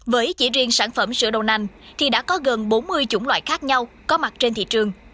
với chỉ riêng sản phẩm sữa đầu nành thì đã có gần bốn mươi chủng loại khác nhau có mặt trên thị trường